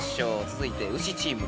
つづいてウシチーム。